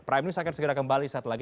prime news akan segera kembali setelah ini